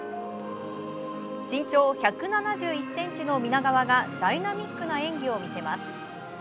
身長１７１ｃｍの皆川がダイナミックな演技を見せます。